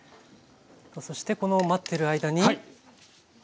そしてこの待ってる間に丼。